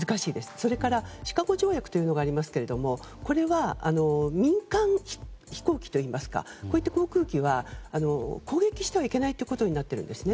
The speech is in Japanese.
それから、シカゴ条約というのがありますけれどもこれは、民間飛行機といいますかこういった航空機は攻撃してはいけないことになっているんですね。